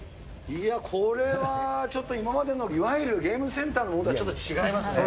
いや、これはちょっと今までの、いわゆるゲームセンターのものとはちょっと違いますね。